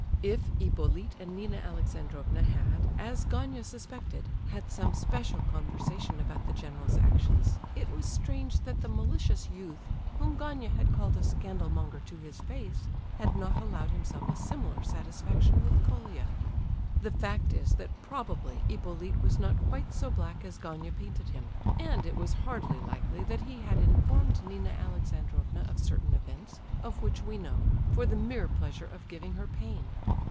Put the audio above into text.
If Hippolyte and Nina Alexandrovna had, as Gania suspected, had some special conversation about the general's actions, it was strange that the malicious youth, whom Gania had called a scandal monger to his face, had not allowed himself a similar satisfaction with Colia. The fact is that probably Hippolyte was not quite so black as Gania painted him; and it was hardly likely that he had informed Nina Alexandrovna of certain events, of which we know, for the mere pleasure of giving her pain.